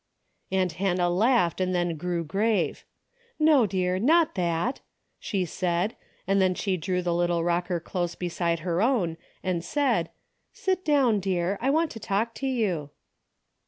Aunt Hannah laughed and then grew grave. "Ho, dear, not that," she said, and then she drew the little rocker close beside her own and said " Sit down, dear, I want to talk to you."